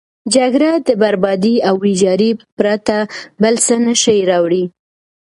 جګړه د بربادي او ویجاړي پرته بل څه نه شي راوړی.